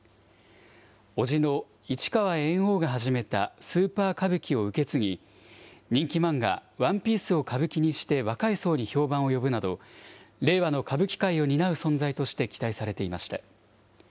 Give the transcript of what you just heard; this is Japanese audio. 伯父の市川猿翁が始めたスーパー歌舞伎を受け継ぎ、人気漫画、ＯＮＥＰＩＥＣＥを歌舞伎にして若い層に評判を呼ぶなど、令和の歌舞伎界を担う存在として期待されていました。